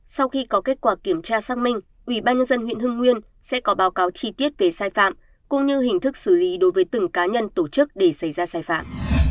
sau khi có kết quả kiểm tra xác minh ủy ban nhân dân huyện hưng nguyên sẽ có báo cáo chi tiết về sai phạm cũng như hình thức xử lý đối với từng cá nhân tổ chức để xảy ra sai phạm